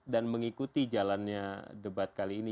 dan mengikuti jalannya debat kali ini